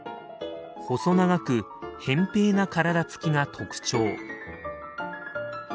細長くへん平な体つきが特徴。